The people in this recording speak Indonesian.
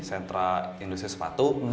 sentra industri sepatu